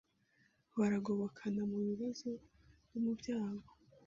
baragobokana mu bibazo no mu byago